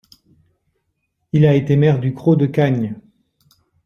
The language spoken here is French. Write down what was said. Il a été maire du Cros-de-Cagnes.